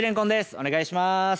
お願いします。